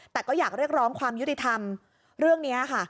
แต่ก็อยากเรียกร้องความยุติธรรมเรื่องนี้ค่ะ